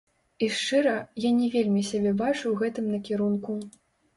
І шчыра, я не вельмі сябе бачу ў гэтым накірунку.